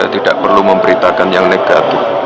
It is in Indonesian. tidak perlu memberitakan yang negatif